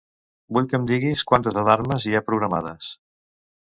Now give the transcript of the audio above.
Vull que em diguis quantes alarmes hi ha programades.